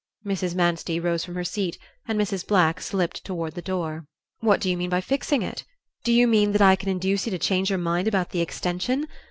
Mrs. Manstey rose from her seat, and Mrs. Black slipped toward the door. "What do you mean by fixing it? Do you mean that I can induce you to change your mind about the extension?